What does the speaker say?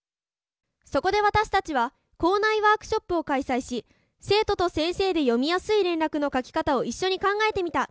そこで私たちは校内ワークショップを開催し生徒と先生で読みやすい連絡の書き方を一緒に考えてみた。